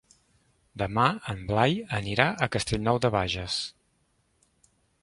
Demà en Blai anirà a Castellnou de Bages.